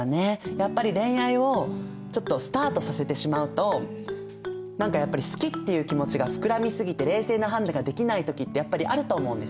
やっぱり恋愛をちょっとスタートさせてしまうと何かやっぱり好きっていう気持ちが膨らみ過ぎて冷静な判断ができない時ってやっぱりあると思うんですよ。